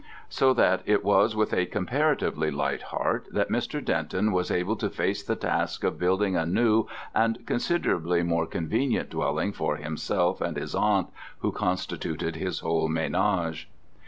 So that it was with a comparatively light heart that Mr. Denton was able to face the task of building a new and considerably more convenient dwelling for himself and his aunt who constituted his whole ménage.